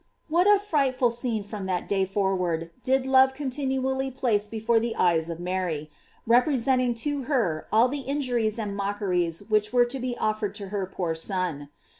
what a fearful scene from that day for ward did love continually place before the eyei of Mary, representing to her all the injuries and mockeries which were to be offered to her poor Son!